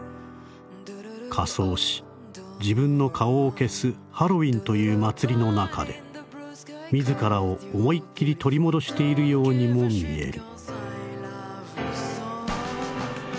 仮装し自分の顔を消すハロウィンという祭りの中で自らを思いっ切り取り戻しているようにも見える」。